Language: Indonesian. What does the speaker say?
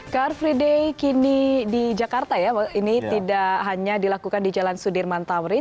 car free day kini di jakarta ya ini tidak hanya dilakukan di jalan sudirman tamrin